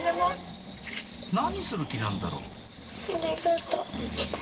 何する気なんだろう？